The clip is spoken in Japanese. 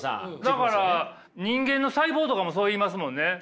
だから人間の細胞とかもそう言いますもんね。